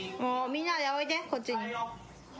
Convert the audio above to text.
・みんなでおいでこっちに。